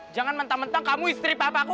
jangan mentang mentang kamu istri papa aku